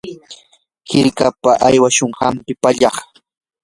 hirkapa aywashun hampi pallaq.